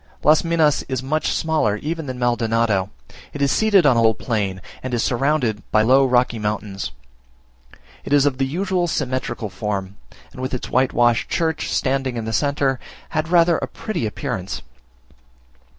Las Minas is much smaller even than Maldonado. It is seated on a little plain, and is surrounded by low rocky mountains. It is of the usual symmetrical form, and with its whitewashed church standing in the centre, had rather a pretty appearance.